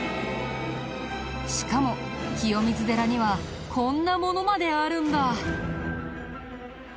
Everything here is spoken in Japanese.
しかも清水寺にはこんなものまであるんだ。